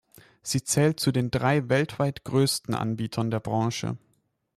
Sie zählt zu den drei weltweit grössten Anbietern der Branche.